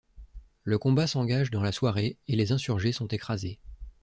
Le combat s'engage dans la soirée et les insurgés sont écrasés.